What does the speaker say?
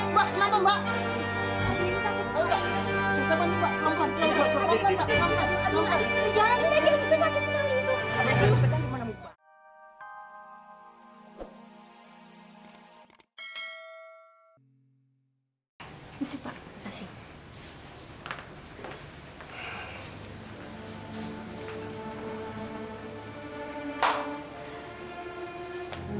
masih pak kasih